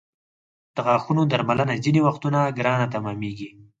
د غاښونو درملنه ځینې وختونه ګرانه تمامېږي.